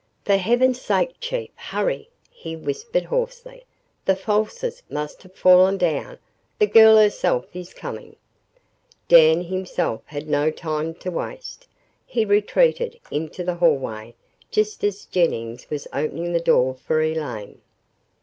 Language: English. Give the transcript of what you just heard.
"For heaven's sake, Chief, hurry!" he whispered hoarsely. "The falsers must have fallen down. The girl herself is coming!" Dan himself had no time to waste. He retreated into the hallway just as Jennings was opening the door for Elaine.